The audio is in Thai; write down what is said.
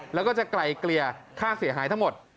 แล้วก็จะไกลเกลี่ยค่าเสียหายทั้งหมด